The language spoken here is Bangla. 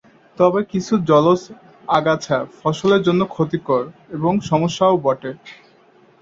তবে কিছু জলজ আগাছা ফসলের জন্য ক্ষতিকর এবং সমস্যাও বটে।